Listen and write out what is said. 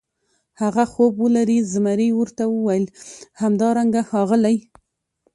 ښه خوب ولرې، زمري ورته وویل: همدارنګه ښاغلی.